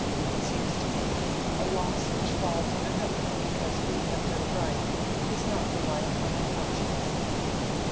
It seems to me, a loss which falls on another because we have done right is not to lie upon our conscience."